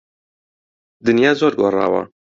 دنیا زۆر گۆڕاوە.